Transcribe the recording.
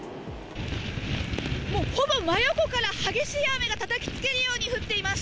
もうほぼ真横から激しい雨がたたきつけるように降っています。